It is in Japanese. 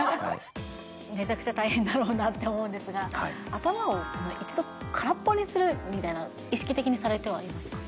めちゃくちゃ大変だろうなって思うんですが、頭を一度空っぽにするみたいな、意識的にされてはいるんですか？